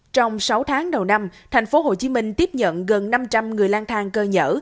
trong sáu tháng đầu năm tp hcm tiếp nhận gần năm trăm linh người lang thang cơ nhở